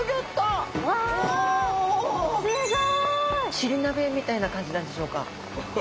チリ鍋みたいな感じなんでしょうか。